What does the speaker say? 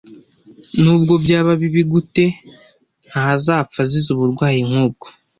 Nubwo byaba bibi gute, ntazapfa azize uburwayi nk'ubwo.